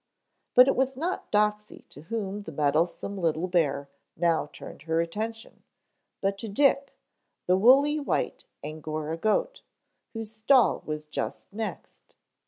But it was not Doxey to whom the meddlesome little bear now turned her attention, but to Dick, the woolly white Angora goat, whose stall was just next.